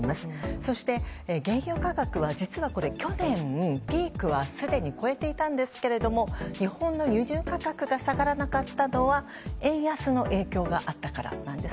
そして原油価格は、実は去年ピークはすでに超えていたんですけども日本の輸入価格が下がらなかったのは円安の影響があったからなんです。